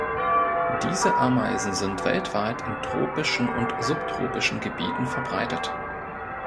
Diese Ameisen sind weltweit in tropischen und subtropischen Gebieten verbreitet.